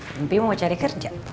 mimpi mau cari kerja